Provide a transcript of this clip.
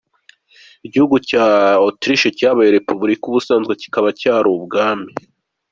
Igihugu cya Autriche cyabaye Repubulika, ubusanzwe kikaba cyari ubwami.